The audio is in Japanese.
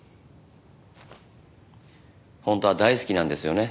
本当は大好きなんですよね？